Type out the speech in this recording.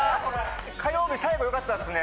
火曜日最後よかったっすね